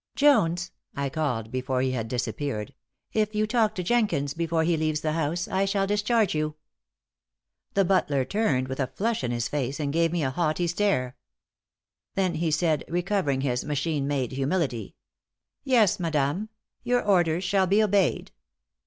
"Jones," I called, before he had disappeared, "if you talk to Jenkins before he leaves the house I shall discharge you." The butler turned, with a flush in his face, and gave me a haughty stare. Then he said, recovering his machine made humility: "Yes, madame. Your orders shall be obeyed."